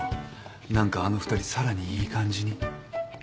何かあの２人さらにいい感じに。